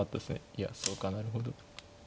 いやそうかなるほど。